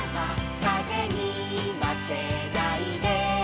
「かぜにまけないで」